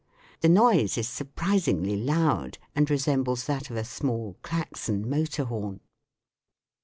The noise is surprisingly loud, and resembles that of a small " Klaxon " motor horn.